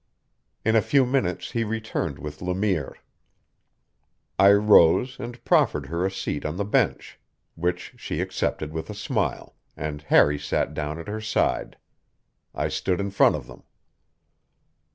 In a few minutes he returned with Le Mire. I rose and proffered her a seat on the bench, which she accepted with a smile, and Harry sat down at her side. I stood in front of them.